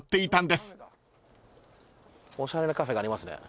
おしゃれなカフェがありますね。